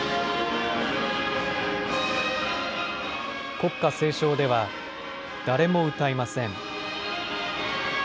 国歌斉唱では、誰も歌いません。